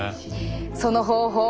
その方法